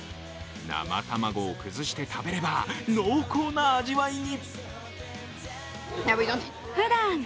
生卵を崩して食べれば濃厚な味わいに。